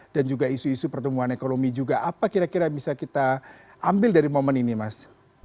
dan juga isu isu pertumbuhan ekonomi juga apa kira kira yang bisa kita ambil dari momen ini mas